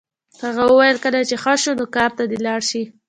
هغه وویل کله چې ښه شو نو کار ته دې لاړ شي